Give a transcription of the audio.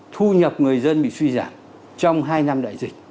thu nhập người dân bị suy giảm trong hai năm đại dịch